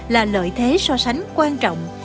là lợi thế so sánh quan trọng